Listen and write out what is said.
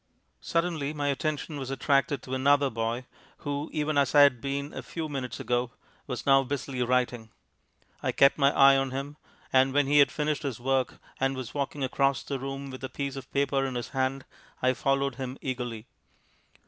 Suddenly my attention was attracted to another boy, who, even as I had been a few minutes ago, was now busily writing. I kept my eye on him, and when he had finished his work, and was walking across the room with a piece of paper in his hand, I followed him eagerly.